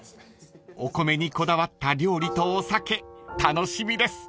［お米にこだわった料理とお酒楽しみです］